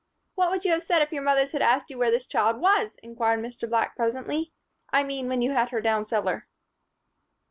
"What would you have said if your mothers had asked you where this child was?" inquired Mr. Black presently. "I mean, when you had her down cellar?"